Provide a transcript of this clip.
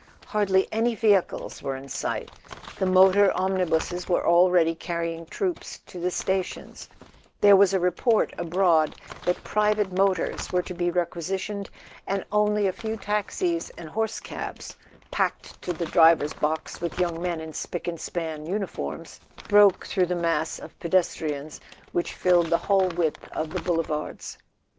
Hardly any vehicles were in sight: the motor omnibuses were already carrying troops to the stations, there was a report abroad that private motors were to be requisitioned, and only a few taxis and horse cabs, packed to the driver's box with young men in spick and span uniforms, broke through the mass of pedes¬ trians which filled the whole width of the Boulevards.